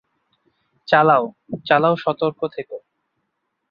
চালাও, চালাও সতর্ক থেকো!